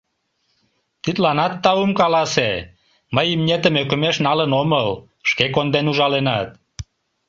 Тидланат таум каласе... мый имнетым ӧкымеш налын омыл, шке конден ужаленат!